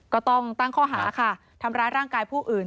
ก็ต้องตั้งข้อหาค่ะทำร้ายร่างกายผู้อื่น